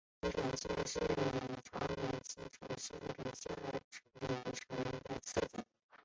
陈嗣庆是李朝晚期陈氏领袖陈李的次子。